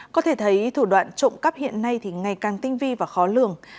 có thể thấy thủ đoạn trộm cắp hiện nay thì ngày càng tinh vi và khó lường